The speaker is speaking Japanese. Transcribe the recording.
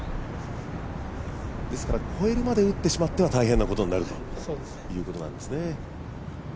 ですから越えるまで打ってしまったら大変なことになってしまうということなんですね。